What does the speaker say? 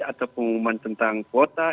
atau pengumuman tentang kuota